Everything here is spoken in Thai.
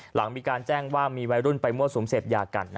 หลังมีการแจ้งว่ามีวัยรุ่นไปมั่วสุมเสพยากัน